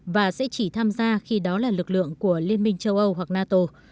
và sẽ chỉ tham gia khi đó là lực lượng của liên minh châu âu hoặc nato